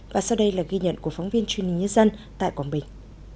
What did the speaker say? và sau đây là ghi nhận của phóng viên truyền hình nhân dân tại quảng bình